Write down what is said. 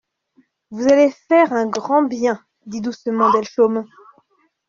«Vous allez faire un grand bien,» dit doucement Delchaume.